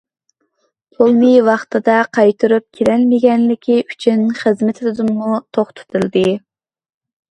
پۇلنى ۋاقتىدا قايتۇرۇپ كېلەلمىگەنلىكى ئۈچۈن خىزمىتىدىنمۇ توختىتىلدى.